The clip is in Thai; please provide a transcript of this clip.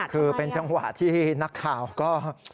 คือเป็นจังหวะที่นักข่าวก็